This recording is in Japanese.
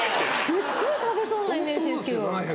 すっごい食べそうなイメージですけど。